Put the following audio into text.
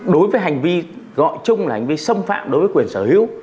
đối với hành vi gọi chung là hành vi xâm phạm đối với quyền sở hữu